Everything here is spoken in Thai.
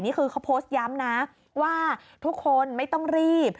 นี่คือเขาโพสต์ย้ำนะว่าทุกคนไม่ต้องรีบ